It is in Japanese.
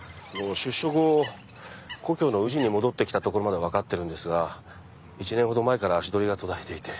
出所後故郷の宇治に戻ってきたところまでは分かってるんですが１年ほど前から足取りが途絶えていて。